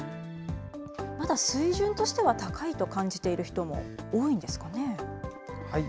まだ水準としては高いと感じている人も多いんですかね。